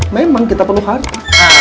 memang kita perlu harta